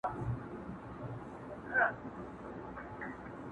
نه مي وېره له برېښنا نه له توپانه،